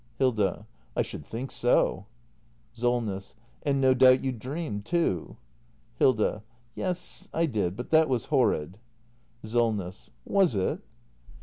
Hilda. I should think so. Solness. And no doubt you dreamed, too. Hilda. Yes, I did. But that was horrid. Solness. Was it?